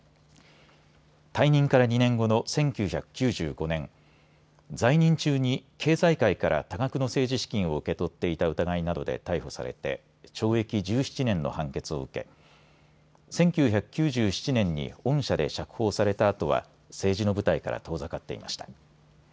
退任から２年後の１９９５年、在任中に経済界から多額の政治資金を受け取っていた疑いなどで逮捕されて懲役１７年の判決を受け１９９７年に恩赦で釈放されたあとは政治の舞台から遠ざかっていました。